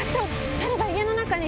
サルが家の中に！